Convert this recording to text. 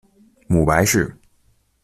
母白氏。